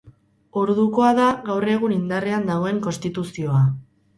Ordukoa da gaur egun indarrean dagoen konstituzioa.